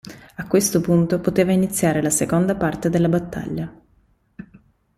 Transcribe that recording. A questo punto poteva iniziare la seconda parte della battaglia.